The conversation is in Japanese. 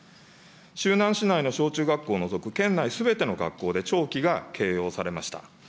周南市内の小中学校を除く県内すべての学校で、弔旗が掲揚されました。